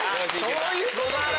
そういうことか！